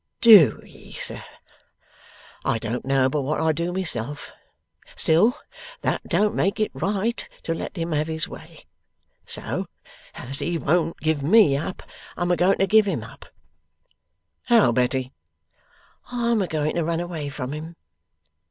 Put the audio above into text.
'DO ye, sir? I don't know but what I do myself. Still that don't make it right to let him have his way. So as he won't give me up, I'm a going to give him up.' 'How, Betty?' 'I'm a going to run away from him.